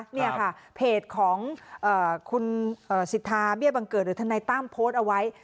นี่ค่ะเพจของคุณสิทธาเบี้ยบังเกิดหรือทนายตั้มโพสต์เอาไว้